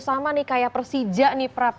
sama nih kayak persija nih prap